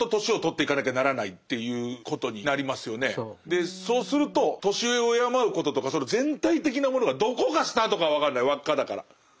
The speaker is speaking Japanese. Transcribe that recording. でそうすると年上を敬うこととかその全体的なものがどこがスタートかは分かんない輪っかだから。